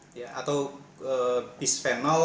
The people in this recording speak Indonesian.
bpaga atau bisphenol